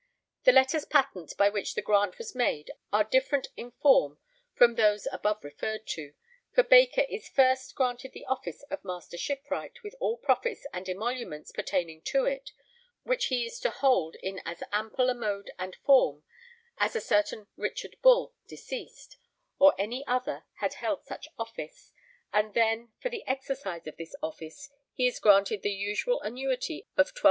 The letters patent by which the grant was made are different in form from those above referred to, for Baker is first granted the office of Master Shipwright with all profits and emoluments pertaining to it, which he is to hold in as ample a mode and form as 'a certain Richard Bull, deceased,' or any other, had held such office, and then, for the exercise of this office, he is granted the usual annuity of 12_d.